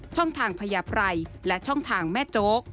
ช่องทางพญาไพรและช่องทางแม่โจ๊ก